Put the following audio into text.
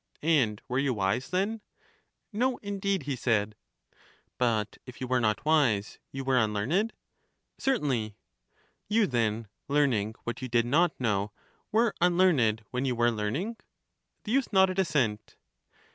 And were you wise then? No, indeed, he said. But if you were not wise you were unlearned? Certainly. You then, learning what you did not know, were unlearned when you were learning? The youth nodded assent.